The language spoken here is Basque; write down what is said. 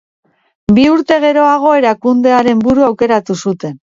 Bi urte geroago erakundearen buru aukeratu zuten.